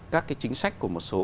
các cái chính sách của một số